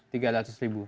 tiga ratus ribu